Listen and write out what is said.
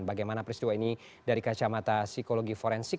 bagaimana peristiwa ini dari kacamata psikologi forensik